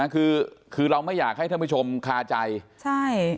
คือคือเราไม่อยากให้ท่านผู้ชมคาใจใช่